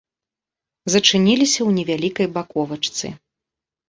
Зачыніліся ў невялікай баковачцы.